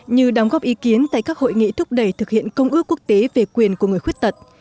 như đóng góp ý kiến tại các hội nghị thúc đẩy thực hiện công ước quốc tế về quyền của người khuyết tật